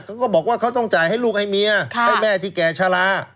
เขาก็บอกว่าเขาต้องจ่ายให้ลูกให้เมียให้แม่ที่แก่ชะลา